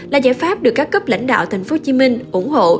là giải pháp được các cấp lãnh đạo thành phố hồ chí minh ủng hộ